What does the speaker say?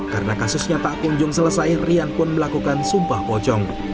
karena kasusnya tak kunjung selesai rian pun melakukan sumpah pocong